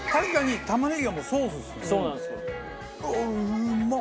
うまっ！